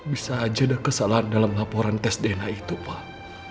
bisa aja ada kesalahan dalam laporan tes dna itu pak